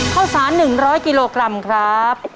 ข้าวสาร๑๐๐กิโลกรัมครับ